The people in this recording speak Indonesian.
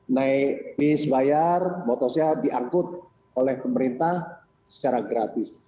naik bis bayar motosnya diangkut oleh pemerintah secara gratis